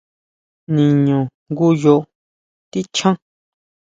¿Niñu ngoyo tichján?